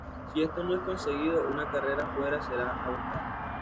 Si esto no es conseguido, una carrera-fuera será aguantado.